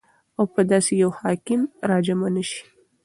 او په داسي يو حاكم راجمع نسي